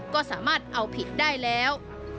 ก็สามารถเอาผิดได้แล้ว